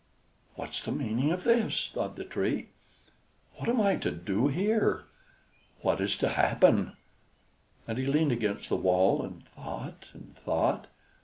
"What's the meaning of this?" thought the Tree. "What am I to do here? What is to happen?" And he leaned against the wall, and thought, and thought.